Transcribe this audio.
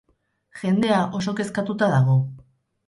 Jendea oso kezkatuta dago.